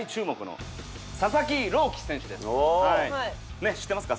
ねっ知ってますか？